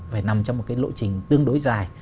phải nằm trong một cái lộ trình tương đối dài